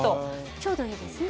ちょうどいいですね